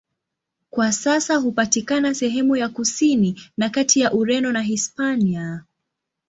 Kwa sasa hupatikana sehemu ya kusini na kati ya Ureno na Hispania.